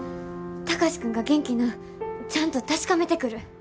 貴司君が元気なんちゃんと確かめてくる。